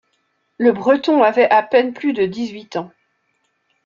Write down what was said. Le Breton avait à peine plus de dix huit ans.